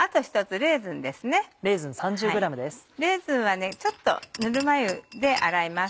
レーズンはちょっとぬるま湯で洗います。